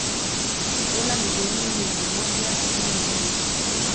dola milioni mia moja kumi na mbili